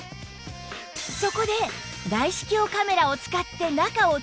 そこで内視鏡カメラを使って中をチェック！